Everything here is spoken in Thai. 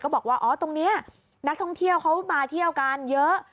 บอกว่าอ๋อตรงนี้นักท่องเที่ยวเขามาเที่ยวกันเยอะ